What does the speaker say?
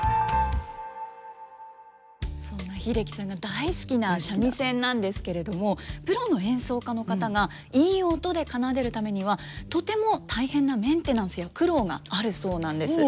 そんな英樹さんが大好きな三味線なんですけれどもプロの演奏家の方がいい音で奏でるためにはとても大変なメンテナンスや苦労があるそうなんです。